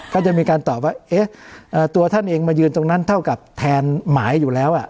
ก็จะมีการตอบว่าตัวท่านเองมายืนตรงนั้นเท่ากับแทนหมายอยู่แล้ว